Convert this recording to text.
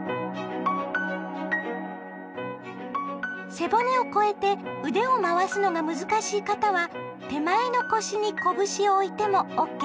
背骨を越えて腕を回すのが難しい方は手前の腰に拳を置いてもＯＫですよ。